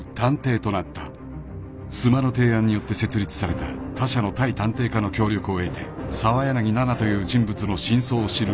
［須磨の提案によって設立された他社の対探偵課の協力を得て澤柳菜々という人物の真相を知る玲奈］